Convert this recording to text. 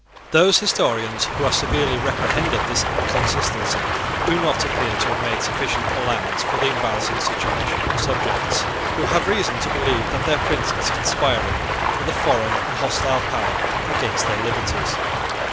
Those historians who have severely reprehended this inconsistency do not appear to have made sufficient allowance for the embarrassing situation of subjects who have reason to believe that their prince is conspiring with a foreign and hostile power against their liberties.